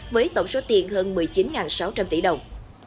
với tổng số tiền hơn một mươi chín sáu trăm linh tỷ đồng